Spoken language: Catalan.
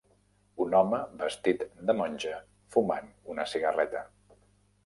Un home vestit de monja fumant una cigarreta